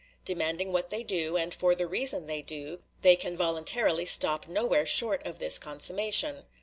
Demanding what they do, and for the reason they do, they can voluntarily stop nowhere short of this consummation.